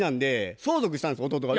相続したんです弟が。